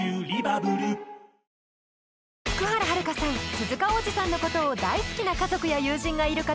鈴鹿央士さんのことを大好きな家族や友人がいる方